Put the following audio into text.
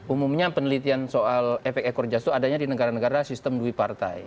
umumnya penelitian soal efek ekor jas itu adanya di negara negara sistem dui partai